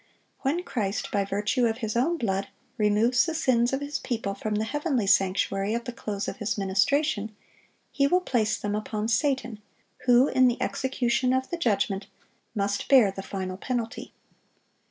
When Christ, by virtue of His own blood, removes the sins of His people from the heavenly sanctuary at the close of His ministration, He will place them upon Satan, who, in the execution of the judgment, must bear the final penalty.